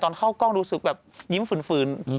แต่ตอนเข้ากล้องรู้สึกแบบยิ้มฟืน